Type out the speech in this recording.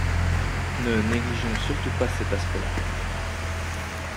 Ne négligeons surtout pas cet aspect-là.